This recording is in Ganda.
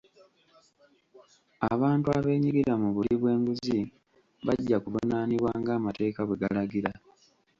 Abantu abeenyigira mu buli bw'enguzi bajja kuvunaanibwa ng'amateeka bwe galagira.